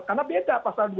karena beda pasal dua belas